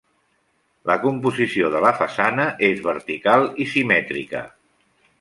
La composició de la façana és vertical i simètrica.